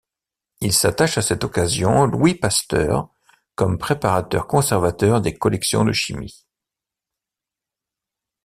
Il s'attache à cette occasion Louis Pasteur comme préparateur conservateur des collections de chimie.